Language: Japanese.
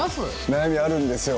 悩みあるんですよ。